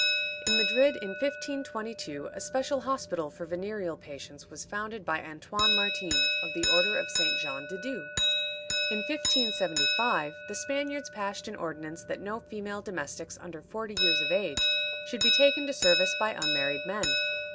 In Madrid, in 1522, a special hospital for venereal patients was founded by Antoine Martin, of the order of St. Jean de Dieu. In 1575 the Spaniards passed an ordinance that no female domestics under forty years of age should be taken to service by unmarried men.